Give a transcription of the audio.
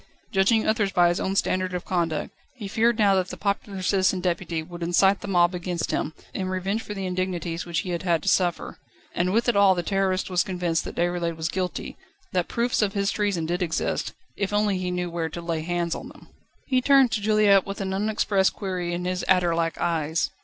Judging others by his own standard of conduct, he feared now that the popular Citizen Deputy would incite the mob against him, in revenge for the indignities which he had had to suffer. And with it all the Terrorist was convinced that Déroulède was guilty, that proofs of his treason did exist, if only he knew where to lay hands on them. He turned to Juliette with an unexpressed query in his adder like eyes.